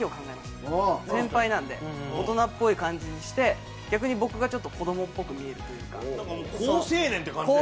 先輩なんで大人っぽい感じにして逆に僕がちょっと子供っぽく見えるというか。